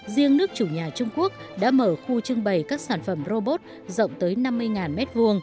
riêng nước chủ nhà trung quốc đã mở khu trưng bày các sản phẩm robot rộng tới năm mươi m hai